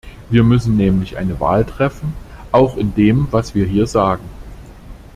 Wir müssen nämlich eine Wahl treffen, auch in dem, was wir hier sagen.